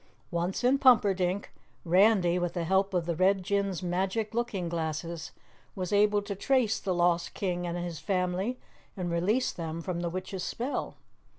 Once in Pumperdink, Randy, with the help of the Red Jinn's magic looking glasses, was able to trace the lost King and his family and release them from the witch's spell.